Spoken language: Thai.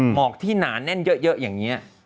หมอกที่หนาแน่นเยอะอย่างนี้